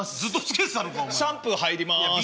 シャンプー入ります。